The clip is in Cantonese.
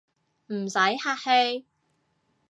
唔使客氣